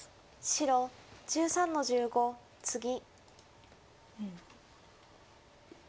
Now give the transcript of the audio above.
白１３の十五ツギ。